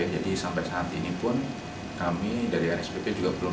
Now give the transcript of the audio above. jadi sampai saat ini pun kami dari nspp juga belum